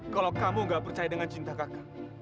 kalau kamu gak percaya dengan cinta kakak